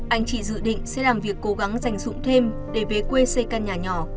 anh chị dự định sẽ làm việc cố gắng giành dụng thêm để về quê xây căn nhà nhỏ